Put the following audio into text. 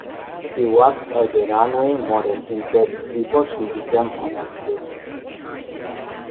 She worked as a runway model in Paris before she became an actress.